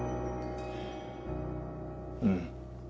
うん。